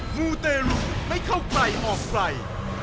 หมูเต่ลูกไม่เข้าไกลออกไกล